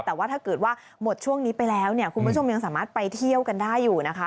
แต่ว่าถ้าเกิดว่าหมดช่วงนี้ไปแล้วเนี่ยคุณผู้ชมยังสามารถไปเที่ยวกันได้อยู่นะคะ